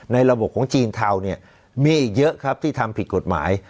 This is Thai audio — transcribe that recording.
ระบบของจีนเทาเนี่ยมีอีกเยอะครับที่ทำผิดกฎหมาย